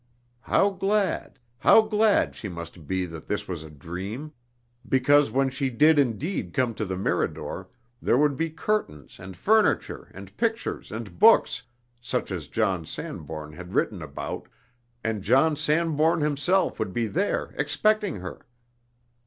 How glad, how glad she must be that this was a dream, because when she did indeed come to the Mirador, there would be curtains and furniture and pictures and books, such as John Sanbourne had written about, and John Sanbourne himself would be there expecting her!